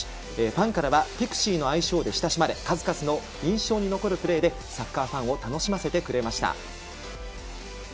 ファンからはピクシーの愛称で親しまれ数々の印象に残るプレーでサッカーファンを楽しませてくれました。